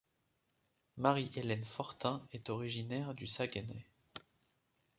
Marie-Hélène Fortin est originaire du Saguenay.